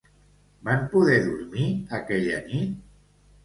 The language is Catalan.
Van poder dormir aquella nit?